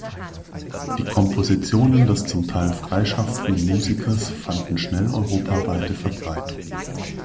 Die Kompositionen des zum Teil freischaffenden Musikers fanden schnell europaweite Verbreitung.